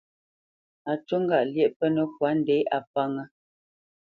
Á ncú ŋgâʼ lyéʼ pə́nə́kwa ndě, a pánŋə́.